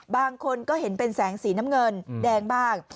บางคนก็เห็นเป็นแสงสีน้ำเงินแดงบ้าง